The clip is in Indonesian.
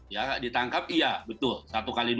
ya ditangkap iya betul